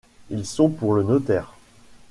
Ils sont pour le notaire…